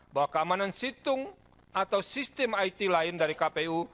bahwa keamanan situng atau sistem it lain dari kpu